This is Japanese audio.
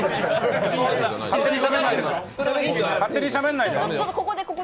勝手にしゃべんないで。